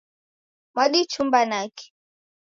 Mwadichumba naki?